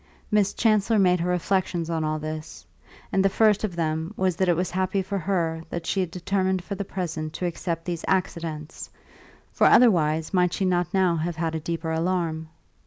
Miss Chancellor made her reflexions on all this, and the first of them was that it was happy for her that she had determined for the present to accept these accidents, for otherwise might she not now have had a deeper alarm?